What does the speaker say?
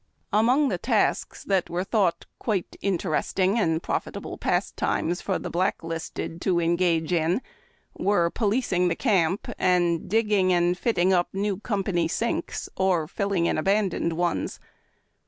Among the tasks that were thought quite interesting and profitable pastimes for the black listed to engage in, were policing the camp and digging and fitting up new company sinks or filling abandoned ones.